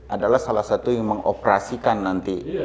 adalah salah satu yang mengoperasikan nanti